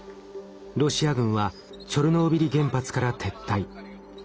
ロシア軍はチョルノービリ原発から撤退。